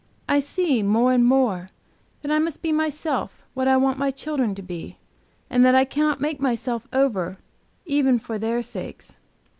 I see more and more that I must be myself what I want my children to be, and that I cannot make myself over even for their sakes.